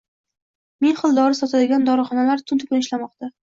Ming xil dori sotadigan dorixonalar tunu kun ishlamoqda.